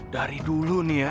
dari dulu nih ya